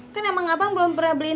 kan emang abang belum pernah beli